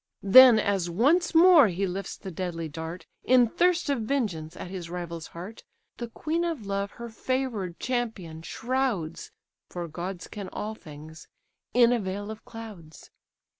Then, as once more he lifts the deadly dart, In thirst of vengeance, at his rival's heart; The queen of love her favour'd champion shrouds (For gods can all things) in a veil of clouds.